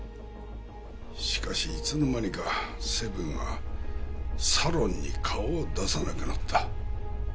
しかしいつの間にかセブンはサロンに顔を出さなくなった。